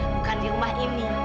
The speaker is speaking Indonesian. bukan di rumah ini